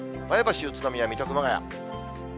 前橋、宇都宮、水戸、熊谷。